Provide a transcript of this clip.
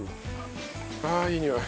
ああいいにおい。